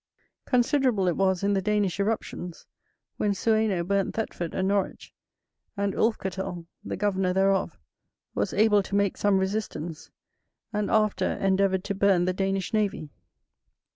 Considerable it was in the Danish eruptions, when Sueno burnt Thetford and Norwich, and Ulfketel, the governor thereof, was able to make some resistance, and after endeavoured to burn the Danish navy.